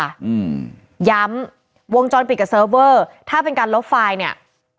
อืมย้ำวงจรปิดกับเซิร์ฟเวอร์ถ้าเป็นการลบไฟล์เนี้ย